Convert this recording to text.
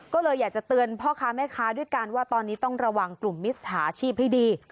ก็เลยอยากจะเตือนพ่อค้าแม่ค้าด้วยกันว่าตอนนี้ต้องระวังกลุ่มมิจฉาชีพให้ดี